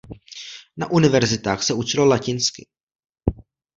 Na univerzitách se učilo latinsky.